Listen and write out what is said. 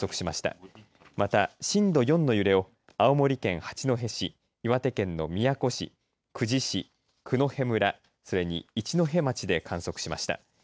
また震度４の揺れを青森県八戸市岩手県の宮古市久慈市、九戸村それに一戸町で観測しました。